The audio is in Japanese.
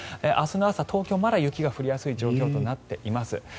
明日の朝、東京はまだ雪が降りやすい状況となっています。